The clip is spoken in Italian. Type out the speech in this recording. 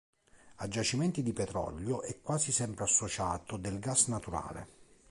A giacimenti di petrolio è quasi sempre associato del gas naturale.